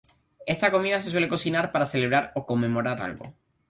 Esta comida se suele cocinar para celebrar o conmemorar algo.